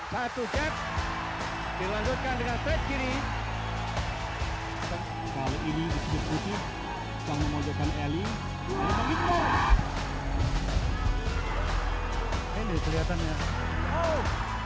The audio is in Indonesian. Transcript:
hai satu satunya langsungkan dengan terkini kalau ini disitu